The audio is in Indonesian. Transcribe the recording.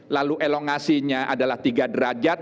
lalu elongasinya adalah tiga derajat